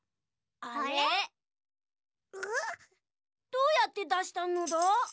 どうやってだしたのだ？